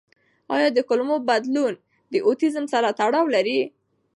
آیا د کولمو بدلون د اوټیزم سره تړاو لري؟